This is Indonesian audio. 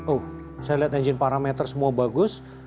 oh saya lihat engine parameter semua bagus